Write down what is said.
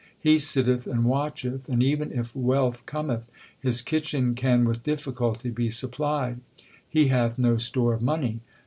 He sitteth and watcheth, and even if wealth cometh, his kitchen can with difficulty be supplied. He hath no store of money.